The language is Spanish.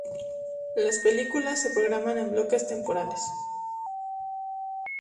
Las películas se programan en bloques temporales.